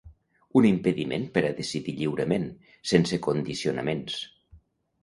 Un impediment per a decidir lliurement, sense condicionaments.